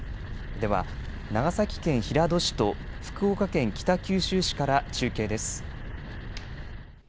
では長崎県平戸市と福岡県北九州市から中継です。